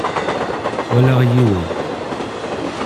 Walaɣ yiwen.